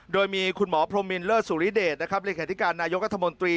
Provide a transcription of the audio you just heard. โดยมีคุณหมอพรมินเลอสุริเดชเรียนแข่งที่การนายกระธมนตรี